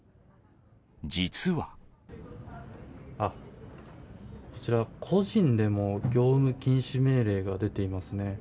あっ、こちら、個人でも業務禁止命令が出ていますね。